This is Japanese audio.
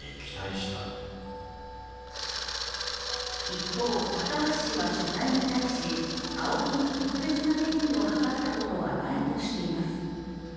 一方、高橋氏は取材に対し、ＡＯＫＩに特別な便宜を図ったことはないとしています。